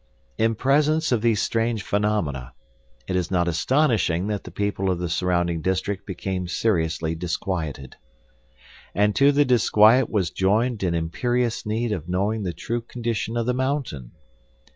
In presence of these strange phenomena, it is not astonishing that the people of the surrounding district became seriously disquieted. And to the disquiet was joined an imperious need of knowing the true condition of the mountain.